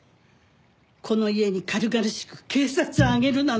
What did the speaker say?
この家に軽々しく警察を上げるなんて。